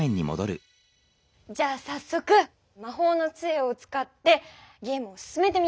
じゃあさっそくまほうのつえを使ってゲームを進めてみよう。